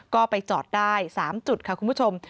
ก็ไปจอดได้๓จุดค่ะคุณผู้ชม